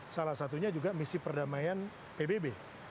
salah satunya juga misi perdamaian pbb